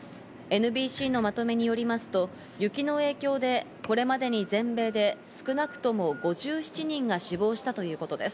ＮＢＣのまとめによりますと雪の影響でこれまでに全米で少なくとも５７人が死亡したということです。